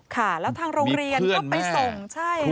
ค่ะแล้วทางโรงเรียนก็ไปส่งใช่